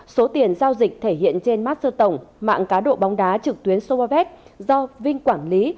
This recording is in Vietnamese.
số tiền giao dịch thể hiện trên master tổng mạng cá độ bóng đá trực tuyến sporbet do vinh quản lý